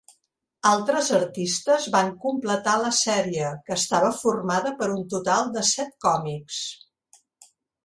Altres artistes van completar la sèrie, que estava formada per un total de set còmics.